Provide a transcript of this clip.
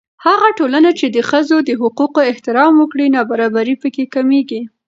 هغه ټولنه چې د ښځو د حقوقو احترام وکړي، نابرابري په کې کمېږي.